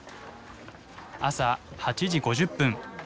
朝８時５０分。